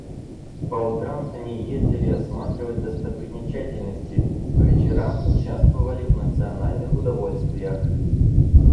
По утрам они ездили осматривать достопримечательности, по вечерам участвовали в национальных удовольствиях.